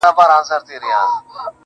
همدا دي خدايه كړغـــــــېــــــړن لاسونه,